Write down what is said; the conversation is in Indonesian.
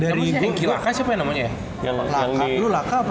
dari engki lakai siapa namanya ya